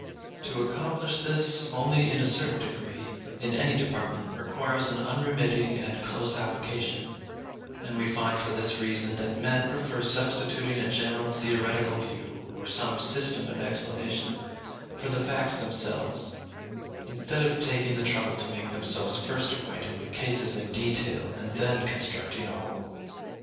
To accomplish this, only in a certain degree, in any department, requires an unremitting and close application; and we find, for this reason, that men prefer substituting a general theoretical view, or some system of explanation, for the facts themselves, instead of taking the trouble to make themselves first acquainted with cases in detail and then constructing a whole.